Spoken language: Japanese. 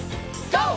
ＧＯ！